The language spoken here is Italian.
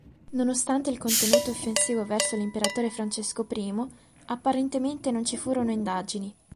Nonostante il contenuto offensivo verso l'imperatore Francesco I, apparentemente non ci furono indagini.